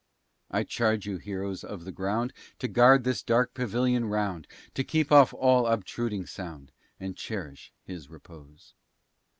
I charge you, heroes, of the ground, To guard his dark pavilion round, And keep off all obtruding sound, And cherish his repose.